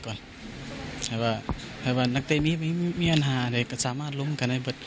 ถ้านักเต๊อร์มีปัญหาสามารถลงกัน